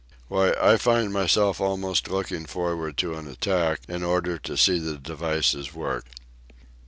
Why, I find myself almost looking forward to an attack in order to see the device work.